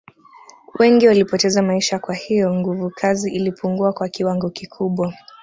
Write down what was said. Wengi walipoteza maisha kwa hiyo nguvukazi ilipungua kwa kiwango kikubwa